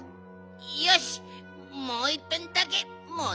よしもういっぺんだけもどってみるか。